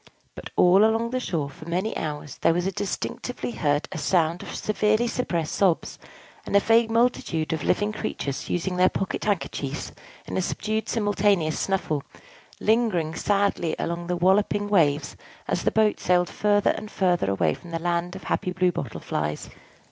But all along the shore, for many hours, there was distinctly heard a sound of severely suppressed sobs, and of a vague multitude of living creatures using their pocket handkerchiefs in a subdued simultaneous snuffle, lingering sadly along the walloping waves as the boat sailed farther and farther away from the Land of the Happy Blue Bottle Flies.